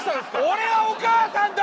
俺はお母さんだ！